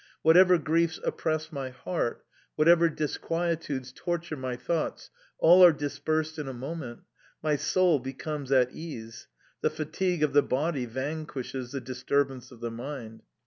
Whatever griefs oppress my heart, whatever disquietudes torture my thoughts all are dispersed in a moment; my soul becomes at ease; the fatigue of the body vanquishes the disturbance of the mind.